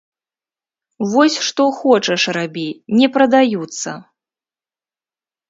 Вось што хочаш рабі, не прадаюцца.